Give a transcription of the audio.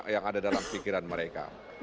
yang ada dalam pikiran mereka